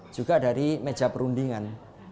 juga dari meja perundingan